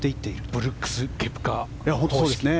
ブルックス・ケプカ方式ですね。